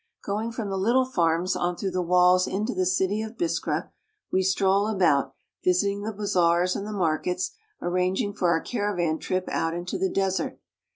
Going from the little farms on through the walls into the city of Biskra, we stroll about, visiting the bazaars and the markets, arranging for our caravan trip out into the desert.